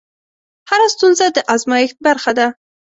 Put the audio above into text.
هره ستونزه د ازمېښت برخه ده.